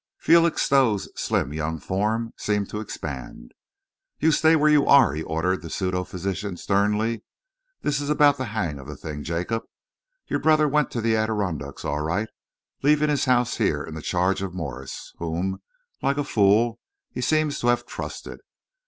Felixstowe's slim young form seemed to expand. "You stay where you are," he ordered the pseudo physician sternly. "This is about the hang of the thing, Jacob. Your brother went to the Adirondacks, all right, leaving his house here in the charge of Morse, whom, like a fool, he seems to have trusted.